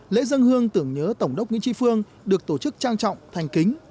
lễ dân hương tưởng nhớ tổng đốc nguyễn tri phương được tổ chức trang trọng thành kính